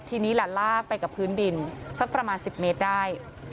ทีนี้แหละลากไปกับพื้นดินสักประมาณ๑๐เมตรได้